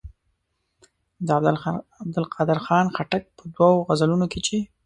د عبدالقادر خان خټک په دوو غزلونو کې چې.